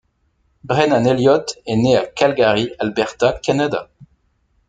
Brennan Elliott est né à Calgary, Alberta, Canada.